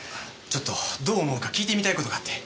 ちょっとどう思うか訊いてみたいことがあって。